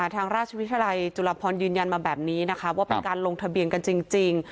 ทางราชวิทยาลัยจุฬาพรยืนยันมาแบบนี้นะคะว่าเป็นการลงทะเบียนกันจริง